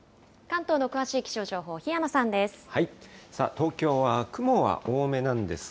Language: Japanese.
関東の詳しい気象情報、檜山さんです。